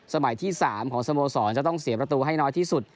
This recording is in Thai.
ที่๓ของสโมสรจะต้องเสียประตูให้น้อยที่สุด